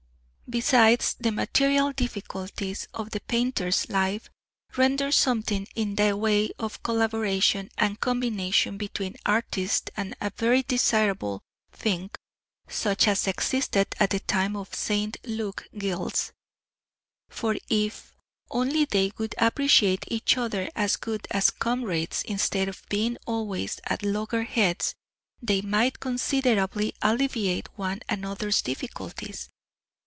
_ Besides, the material difficulties of the painter's life render something in the way of collaboration and combination between artists a very desirable thing (such as existed at the time of the St. Luke Guilds); for if only they would appreciate each other as good comrades instead of being always at logger heads, they might considerably alleviate one another's difficulties.